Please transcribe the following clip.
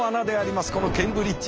このケンブリッジ。